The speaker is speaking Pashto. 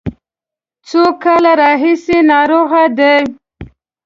څو کالو راهیسې ناروغه دی.